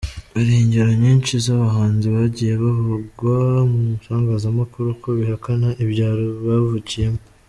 Hari ingero nyinshi z’abahanzi bagiye bavugwa mu itangazamakuru ko bihakana ibyaro bavukiyemo.